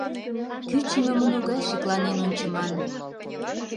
кӱчымӧ муно гай шекланен ончыман.